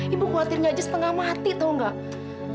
ibu khawatirnya aja setengah mati tau gak